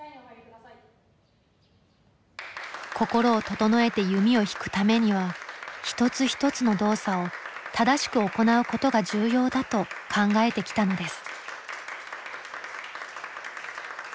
心を整えて弓を引くためには一つ一つの動作を正しく行うことが重要だと考えてきたのです。